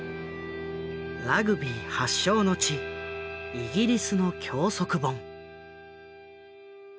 ラグビー発祥の地イギリスの教則本。